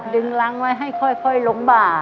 ล้างไว้ให้ค่อยหลงบ่า